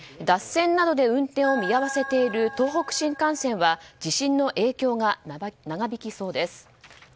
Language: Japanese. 脱線などで運転を見合わせている東北新幹線は地震の影響が長引きそうです。